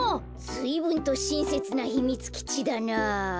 ずいぶんとしんせつなひみつきちだな。